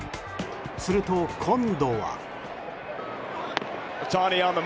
すると今度は。